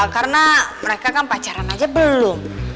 karena mereka kan pacaran aja belum